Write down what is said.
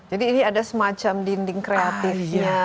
jadi ini ada semacam dinding kreatifnya